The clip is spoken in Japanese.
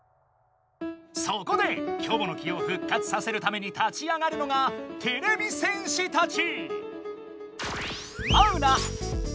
そこでキョボの木を復活させるために立ち上がるのがてれび戦士たち！